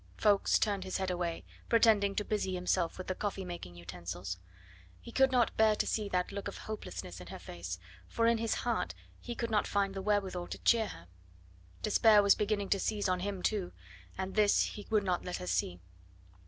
Ffoulkes turned his head away, pretending to busy himself with the coffee making utensils. He could not bear to see that look of hopelessness in her face, for in his heart he could not find the wherewithal to cheer her. Despair was beginning to seize on him too, and this he would not let her see.